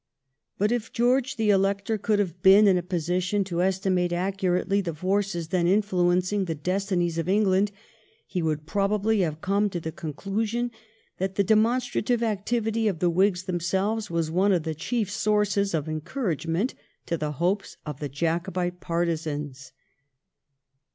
But if George the Elector could have been in a position to estimate accurately the forces then influencing the destinies of England he would probably have come to the conclusion that the demonstrative activity of the Whigs themselves was one of the chief sources of encouragement to the hopes of the Jacobite partisans.